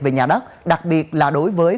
về nhà đất đặc biệt là đối với